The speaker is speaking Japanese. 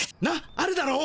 あるだろう